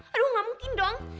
aduh gak mungkin dong